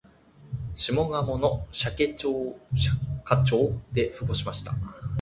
下鴨の社家町で過ごしました